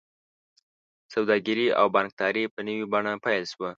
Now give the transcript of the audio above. سوداګري او بانکداري په نوې بڼه پیل شوه.